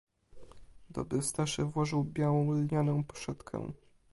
Do brustaszy włożył białą lnianą poszetkę.